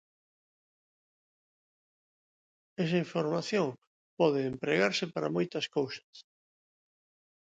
Esa información pode empregarse para moitas cousas.